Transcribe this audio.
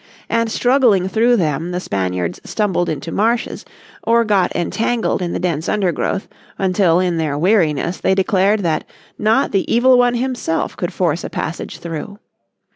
And struggling through them the Spaniards stumbled into marshes, or got entangled in the dense undergrowth until in their weariness they declared that not the Evil One himself could force a passage through.